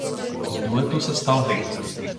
Z duetu se stal hit.